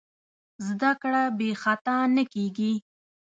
زدهکړه بېخطا نه کېږي.